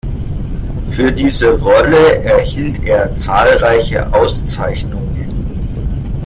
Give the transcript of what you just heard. Für diese Rolle erhielt er zahlreiche Auszeichnungen.